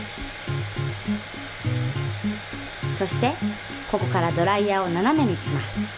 そしてここからドライヤーをななめにします。